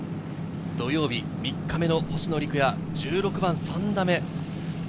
土曜日、３日目の星野陸也、１６番３打目。